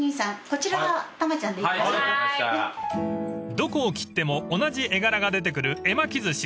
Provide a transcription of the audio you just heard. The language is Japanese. ［どこを切っても同じ絵柄が出てくる絵巻き寿司］